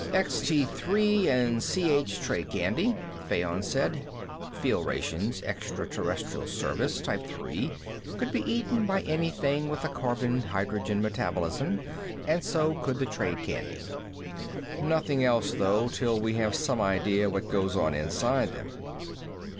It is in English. "Extee Three, and C H trade candy," Fayon said. Field Ration, Extraterrestrial Service, Type Three, could be eaten by anything with a carbon hydrogen metabolism, and so could the trade candy. "Nothing else, though, till we have some idea what goes on inside them."